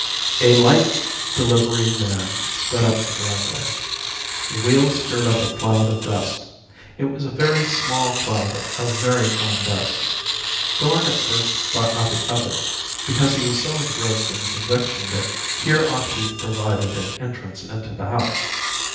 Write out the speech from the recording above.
A light delivery van sped up the driveway. The wheels stirred up a cloud of dust. It was a very small cloud of very fine dust. Thorn at first thought nothing of it, because he was so engrossed in the conviction that here ought to be provided an entrance into the house.